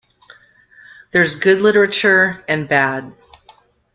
There's good literature and bad.